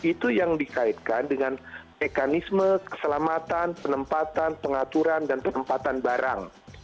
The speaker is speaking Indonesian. itu yang dikaitkan dengan mekanisme keselamatan penempatan pengaturan dan penempatan barang